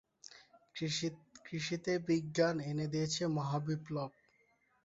কৃষিতে বিজ্ঞান এনে দিয়েছে মহাবিপ্লব।